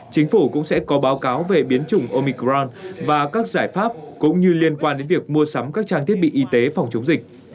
chính phủ cũng sẽ có báo cáo về biến chủng omicron và các giải pháp cũng như liên quan đến việc mua sắm các trang thiết bị y tế phòng chống dịch